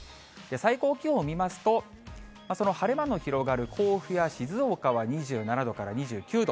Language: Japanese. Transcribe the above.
最高気温を見ますと、その晴れ間の広がる甲府や静岡は２７度から２９度。